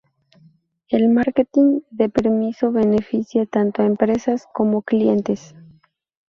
El Marketing de permiso beneficia tanto a empresas como clientes.